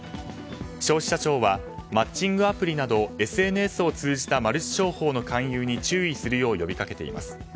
消費者庁はマッチングアプリなどＳＮＳを通じたマルチ商法の勧誘に注意するよう呼びかけています。